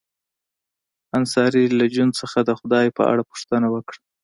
انصاري له جون څخه د خدای په اړه پوښتنه وکړه